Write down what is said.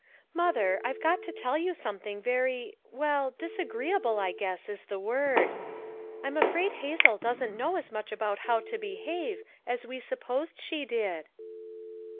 "Mother I've got to tell you something very — well, disagreeable I guess is the word. I'm afraid Hazel doesn't know as much about how to behave as we supposed she did."